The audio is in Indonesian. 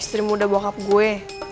istri muda bokap gue